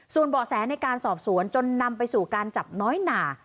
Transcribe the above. ส่วนเบาะแสในการสอบสวนจนนำไปสู่การจับน้อยหนา